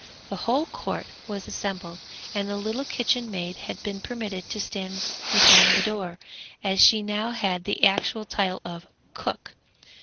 The whole court was assembled, and the little kitchen maid had been permitted to stand behind the door, as she now had the actual title of cook.